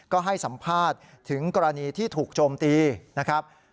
ก็ให้สัมภาษณ์ถึงกรณีที่ถูกโจมตีนะครับ